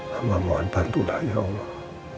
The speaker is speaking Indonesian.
allah mohon bantulah ya allah